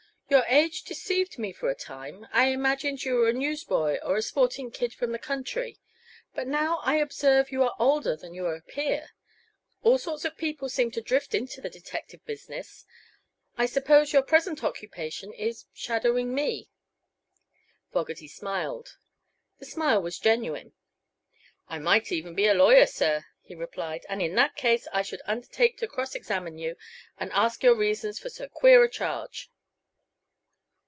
Your age deceived me for a time. I imagined you were a newsboy or a sporting kid from the country; but now I observe you are older than you appear. All sorts of people seem to drift into the detective business. I suppose your present occupation is shadowing me." Fogerty smiled. The smile was genuine. "I might even be a lawyer, sir," he replied, "and in that case I should undertake to cross examine you, and ask your reasons for so queer a charge."